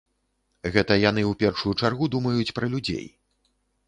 Гэта яны ў першую чаргу думаюць пра людзей.